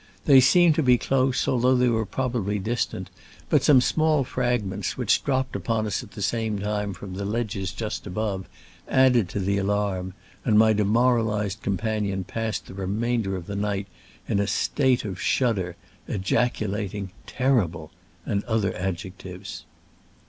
They seemed to be close, al though they were probably distant, but some small fragments, which dropped upon us at the same time from the ledges'^ just above, added to the alarm, and my demoralized companion passed the re mainder of the night in a state of shud der, ejaculating "Terrible! and other adjectives.